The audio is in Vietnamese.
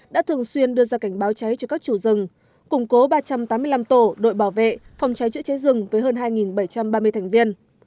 đã thường xuyên đưa ra cảnh báo cháy cho các chủ rừng củng cố ba trăm tám mươi năm tổ đội bảo vệ phòng cháy chữa cháy rừng với hơn hai bảy trăm ba mươi thành viên